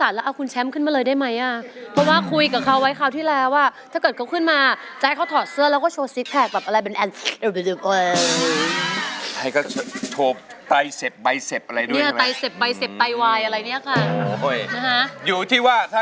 แต่คุณป่ารบกวนหน่อยได้ไหมคะ